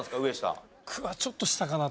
僕はちょっと下かなと。